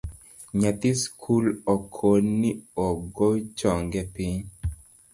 Nyathi skul okon ni ogoo chonge piny